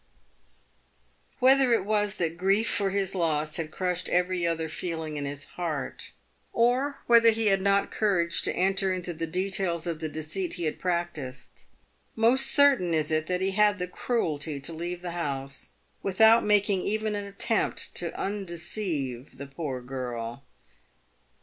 Whether it was that grief for his loss had crushed every other feel ing in his heart, or whether he had not courage to enter into the de tails of the deceit he had practised, most certain is it that he had the cruelty to leave the house without making even an attempt to unde ceive the poor girl.